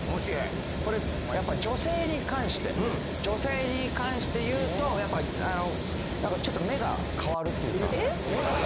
これやっぱ女性に関して女性に関して言うとやっぱちょっと目が変わるっていうか。